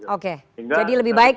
oke jadi lebih baik